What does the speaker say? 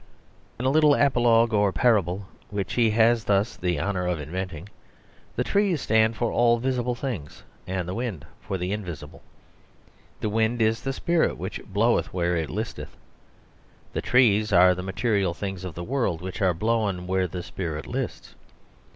..... In the little apologue or parable which he has thus the honour of inventing, the trees stand for all visible things and the wind for the invisible. The wind is the spirit which bloweth where it listeth; the trees are the material things of the world which are blown where the spirit lists.